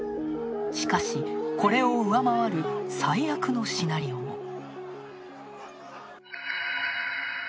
しかし、これを上回る最悪のシナリオも。